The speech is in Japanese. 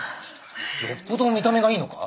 よっぽど見た目がいいのか？